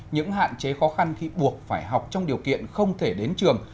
những hạn chế khó khăn khi buộc phải học trong điều kiện không thể đến trường